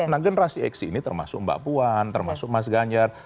nah generasi x ini termasuk mbak puan termasuk mas ganjar